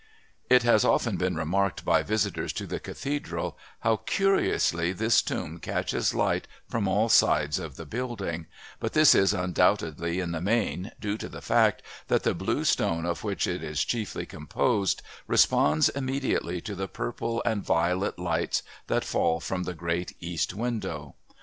'" It has been often remarked by visitors to the Cathedral how curiously this tomb catches light from all sides of the building, but this is undoubtedly in the main due to the fact that the blue stone of which it is chiefly composed responds immediately to the purple and violet lights that fall from the great East window.